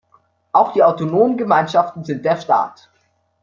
Auch die Autonomen Gemeinschaften sind der Staat.